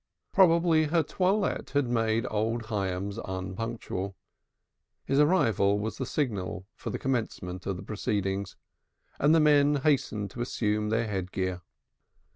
Probably her toilette had made old Hyams unpunctual. His arrival was the signal for the commencement of the proceedings, and the men hastened to assume their head gear.